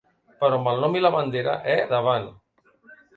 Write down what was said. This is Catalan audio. Però amb el nom i la bandera, eh?, davant!